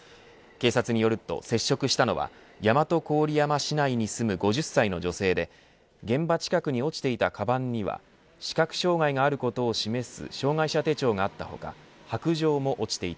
警察によると接触したのは大和郡山市内に住む５０歳の女性で現場近くに落ちていたかばんには視覚障害があることを示す